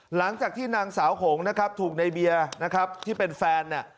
หลังจากที่นางสาวหงนะครับถูกในเบียร์นะครับที่เป็นแฟนเนี่ย